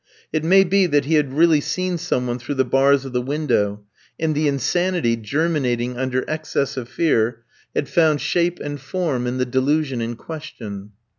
It may be that he had really seen some one through the bars of the window, and the insanity, germinating under excess of fear, had found shape and form in the delusion in question.